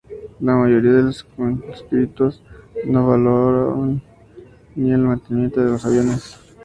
La mayoría de los conscriptos no volaban ni hacían el mantenimiento de los aviones.